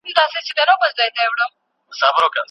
سترګي له نړۍ څخه پټي کړې.